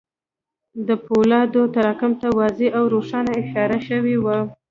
د پولادو تراکم ته واضح او روښانه اشاره شوې وه